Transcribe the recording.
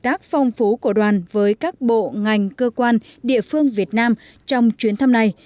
hợp tác phong phú của đoàn với các bộ ngành cơ quan địa phương việt nam trong chuyến thăm này